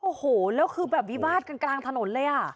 โอ้โหแล้วคือแบบวิวาดกันกลางถนนเลยอ่ะ